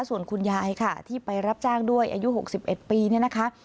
ส่วนคุณยายค่ะที่ไปรับจ้างด้วยอายุ๖๑ปีเนี่ยนะคะ